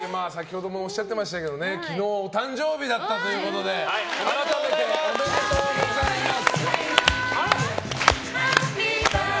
そして、先ほどもおっしゃってましたけど昨日、お誕生日だったということで、改めておめでとうございます。